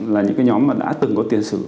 là những cái nhóm mà đã từng có tiền sử